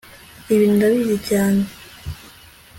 Ibi ndabizi cyane